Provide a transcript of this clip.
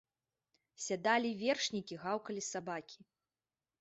Сядалі вершнікі, гаўкалі сабакі.